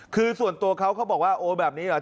คือส่วนตัวเขาเขาบอกว่าโอ้แบบนี้เหรอ